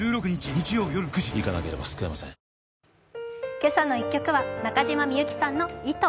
「けさの１曲」は中島みゆきさんの「糸」。